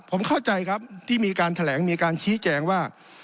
ผมเข้าใจครับที่มีการแถลงมีการชี้แจงว่า